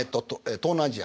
東南アジア。